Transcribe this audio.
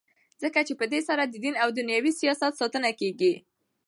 ځکه چي په دی سره ددین او دینوي سیاست ساتنه کیږي.